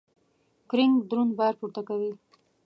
کرینګ درون بار پورته کوي.